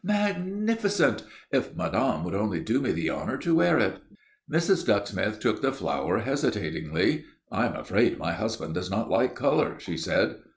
"Magnificent! If madame would only do me the honour to wear it." Mrs. Ducksmith took the flower hesitatingly. "I'm afraid my husband does not like colour," she said.